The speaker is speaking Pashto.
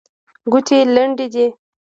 ګوتې لنډې دي.